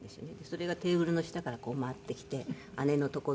それがテーブルの下からこう回ってきて姉の所に行き。